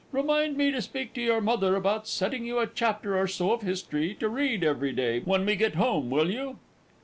Remind me to speak to your mother about setting you a chapter or so of history to read every day when we get home, will you?